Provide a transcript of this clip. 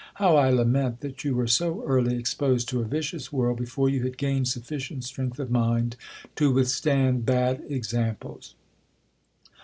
How I la ment that you were so early exposed to a vicious world, before you had gained sufficient strength of mind to withstand bad examples